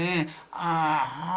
ああ。